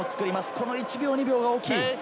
この１秒、２秒が大きい。